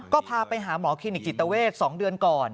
ก็พาไปหาหมอคลินิกจิตเวท๒เดือนก่อน